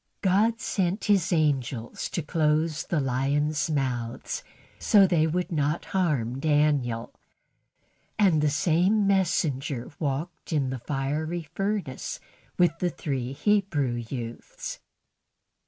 God sent His angel to close the lions' mouths so they would not harm Daniel; and the same messenger walked in the fiery furnace with the three Hebrew youths.